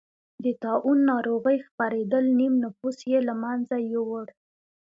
د طاعون ناروغۍ خپرېدل نییم نفوس یې له منځه یووړ.